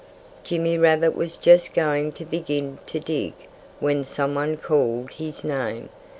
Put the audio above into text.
Jimmy Rabbit was just going to begin to dig when some one called his name.